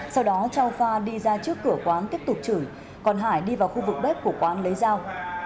sau đó châu pha đi ra trước cửa quán tiếp tục chửi còn hải đi vào khu vực bếp của quán lấy dao